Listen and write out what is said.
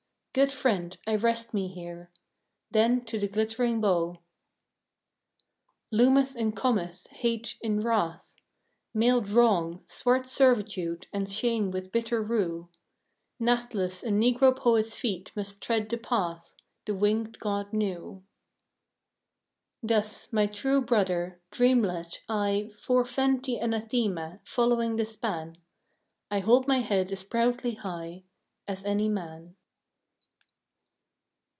Good Friend, I rest me here Then to the glittering bow! Loometh and cometh Hate in wrath, Mailed Wrong, swart Servitude and Shame with bitter rue, Nathless a Negro poet's feet must tread the path The winged god knew. Thus, my true Brother, dream led, I Forefend the anathema, following the span. I hold my head as proudly high As any man.